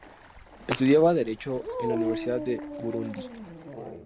Estudiaba Derecho en la Universidad de Burundi.